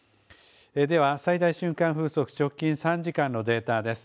では、最大瞬間風速、直近３時間のデータです。